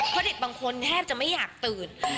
เพราะเด็กบางคนแทบจะไม่อยากตื่น